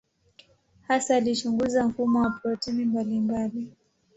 Hasa alichunguza mfumo wa protini mbalimbali.